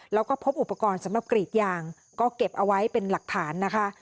แล้วก็พบอุปกรณ์สำหรับกรีดยางก็เก็บเอาไว้เป็นหลักฐานนะคะ